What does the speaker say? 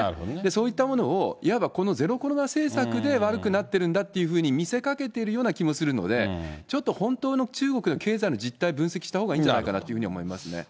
そういったものを、いわばこのゼロコロナ政策で悪くなってるんだというふうに見せかけてるような気もするので、ちょっと本当の中国の経済の実態を分析したほうがいいんじゃないかなというふうに思いますね。